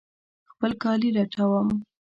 خپل کالي لټوم